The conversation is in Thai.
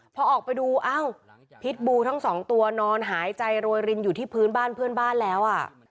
พอออกไปดูอ้าวพิษบูทั้งสองตัวนอนหายใจโรยรินอยู่ที่พื้นบ้านเพื่อนบ้านแล้ว